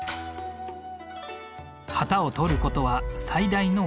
旗を取ることは最大の名誉。